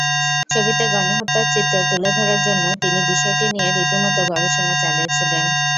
ছবিতে গণহত্যার চিত্র তুলে ধরার জন্য তিনি বিষয়টি নিয়ে রীতিমতো গবেষণা চালিয়েছিলেন।